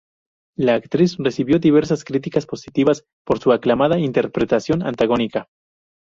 La actriz recibió diversas críticas positivas por su aclamada interpretación antagónica.